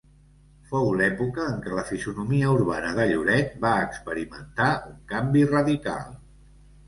Fou l'època en què la fisonomia urbana de Lloret va experimentar un canvi radical.